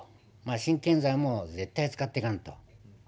新建材も絶対使っていかんと。